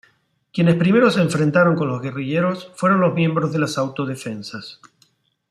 Quienes primero se enfrentaron con los guerrilleros fueron los miembros de las Autodefensas.